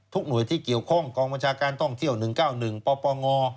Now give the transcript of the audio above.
หน่วยที่เกี่ยวข้องกองบัญชาการท่องเที่ยว๑๙๑ปปง